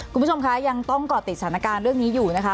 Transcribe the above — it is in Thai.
คุณผู้ชมคะยังต้องก่อติดสถานการณ์เรื่องนี้อยู่นะคะ